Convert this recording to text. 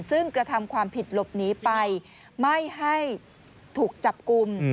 ซึ่งกระทำความผิดหลบหนีไปไม่ให้ถูกจับกลุ่ม